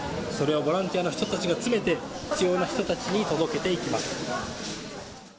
それをボランティアの人たちが詰めて必要な人たちに届けていきます。